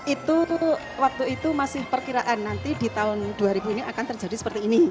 itu waktu itu masih perkiraan nanti di tahun dua ribu ini akan terjadi seperti ini